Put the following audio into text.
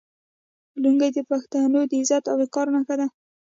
لونګۍ د پښتنو د عزت او وقار نښه ده.